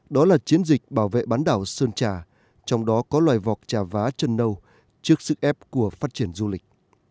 đó là chiến dịch bảo vệ bán đảo sơn trà trong đó có loài vọc trà vá chân nâu trước sức ép của phát triển du lịch